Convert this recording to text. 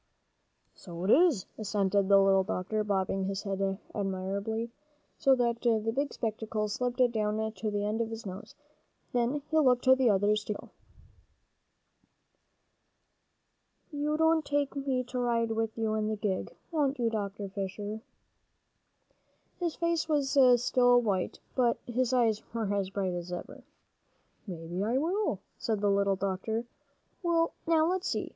"So it is," assented the little doctor, bobbing his head amiably, so that the big spectacles slipped down to the end of his nose. Then he looked to the others to keep still. "You'll take me to ride with you in the gig, won't you, Dr. Fisher?" begged Joel. His face was still white, but his eyes were as bright as ever. "Maybe," said the little doctor. "Well, now let's see.